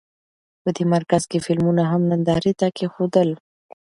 په دې مرکز کې فلمونه هم نندارې ته کېښودل.